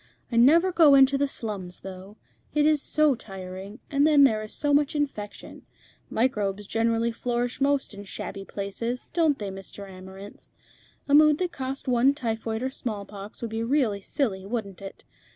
I never go into the slums, though. It is so tiring, and then there is so much infection. Microbes generally flourish most in shabby places, don't they, Mr. Amarinth? A mood that cost one typhoid or smallpox would be really silly, wouldn't it?